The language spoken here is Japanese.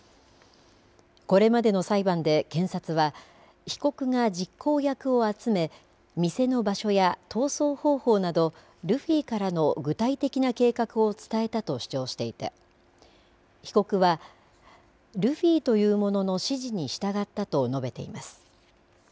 これまでの裁判で検察は被告が実行役を集め店の場所や逃走方法などルフィからの具体的な計画を伝えたと主張していて被告はルフィという者の指示に従ったと述べています。